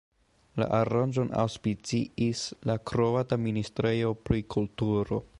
La aranĝon aŭspiciis la kroata Ministrejo pri Kulturo.